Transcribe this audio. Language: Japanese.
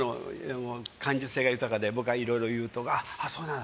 感受性が豊かで僕がいろいろ言うとそうなんだ！